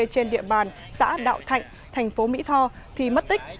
trên địa bàn xã đạo thạnh thành phố mỹ tho thì mất tích